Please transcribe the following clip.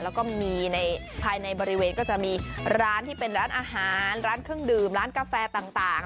แล้วก็มีในภายในบริเวณก็จะมีร้านที่เป็นร้านอาหารร้านเครื่องดื่มร้านกาแฟต่าง